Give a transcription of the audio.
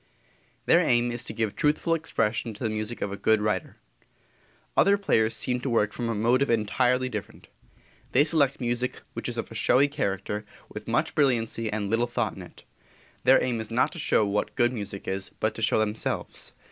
Their aim is to give truthful expression to the music of a good writer. Other players seem to work from a motive entirely different. They select music which is of a showy character, with much brilliancy and little thought in it. Their aim is not to show what good music is, but to show themselves.